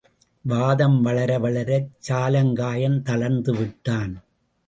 வாதம் வளர வளரச் சாலங்காயன் தளர்ந்து விட்டான்.